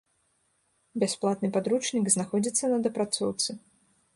Бясплатны падручнік знаходзіцца на дапрацоўцы.